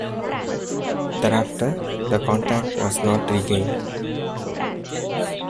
Thereafter the contact was not regained.